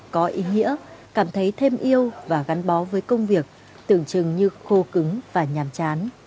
các chị thấy việc mình làm có ý nghĩa cảm thấy thêm yêu và gắn bó với công việc tưởng chừng như khô cứng và nhàm chán